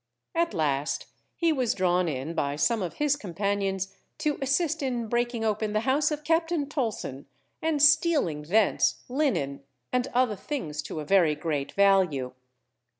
At last he was drawn in by some of his companions to assist in breaking open the house of Captain Tolson, and stealing thence linen and other things to a very great value.